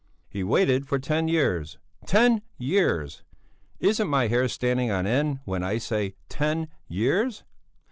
He waited for ten years! Ten years! Isn't my hair standing on end when I say ten years?